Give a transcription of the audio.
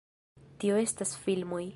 Tio estas filmoj